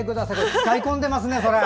使い込んでますね！